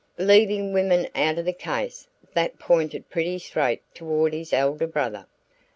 Leaving women out of the case, that pointed pretty straight toward his elder brother.